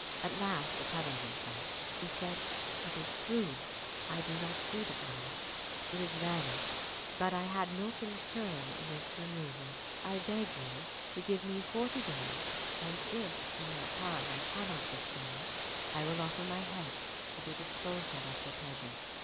At last recovering himself, he said, "It is true, I do not see the palace. It is vanished; but I had no concern in its removal. I beg you to give me forty days, and if in that time I cannot restore it, I will offer my head to be disposed of at your pleasure."